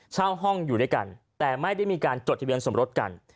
เช่าห้องอยู่ด้วยกันแต่ไม่ได้มีการจดทะเบียนสมรสกัน